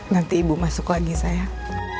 nanti ibu masuk lagi sayang